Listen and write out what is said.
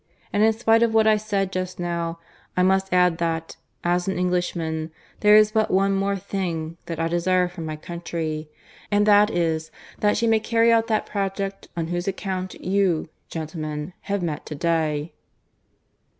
And in spite of what I said just now I must add that, as an Englishman, there is but one more thing that I desire for my country, and that is that she may carry out that project on whose account you, gentlemen, have met to day."